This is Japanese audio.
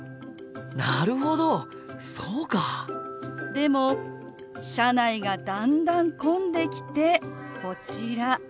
でも車内がだんだん混んできてこちら。